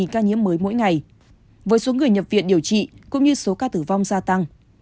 một mươi ca nhiễm mới mỗi ngày với số người nhập viện điều trị cũng như số ca tử vong gia tăng